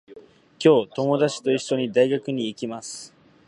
今日、ともだちといっしょに、大学に行きます。